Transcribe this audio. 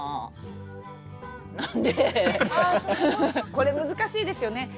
これ難しいですよね。